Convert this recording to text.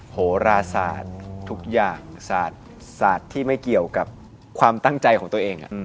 โหราศาสตร์ทุกอย่างศาสตร์ที่ไม่เกี่ยวกับความตั้งใจของตัวเอง